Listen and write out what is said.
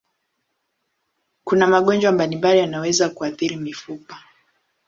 Kuna magonjwa mbalimbali yanayoweza kuathiri mifupa.